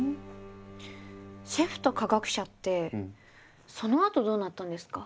シェフと科学者ってそのあとどうなったんですか？